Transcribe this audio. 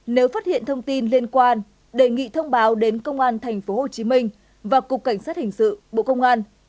nếu phát hiện thông tin liên quan đề nghị thông báo đến công an tp hcm và cục cảnh sát hình sự bộ công an